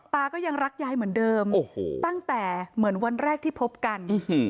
ตาก็ยังรักยายเหมือนเดิมโอ้โหตั้งแต่เหมือนวันแรกที่พบกัน